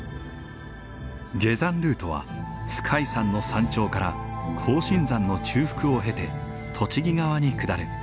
下山ルートは皇海山の山頂から庚申山の中腹を経て栃木側に下る。